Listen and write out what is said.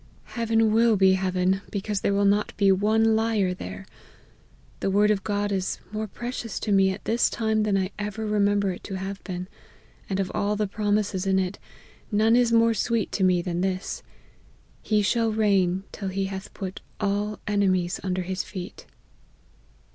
Heaven will be heaven, because there will not be one liar there. The word of God is more precious to me at this time than I ever remember it to have been ; and of all the promises in it, none is more sweet to me than this ' He shall reign till he hath put all ene mies under his feet.'